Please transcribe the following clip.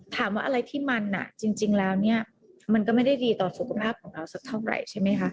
ถามว่าอะไรที่มันจริงแล้วเนี่ยมันก็ไม่ได้ดีต่อสุขภาพของเราสักเท่าไหร่ใช่ไหมคะ